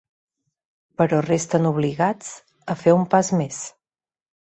Però resten obligats a fer un pas més!